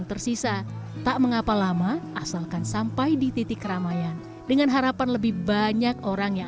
tersisa tak mengapa lama asalkan sampai di titik keramaian dengan harapan lebih banyak orang yang